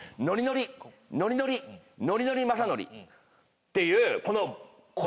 のりのりのりのりのりのりまさのりっていうこの。